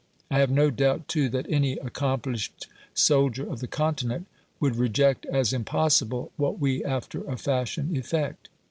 I have no doubt too that any accomplished soldier of the Continent would reject as impossible what we after a fashion effect.